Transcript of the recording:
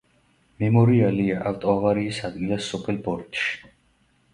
მემორიალი ავტოავარიის ადგილას სოფელ ბორითში.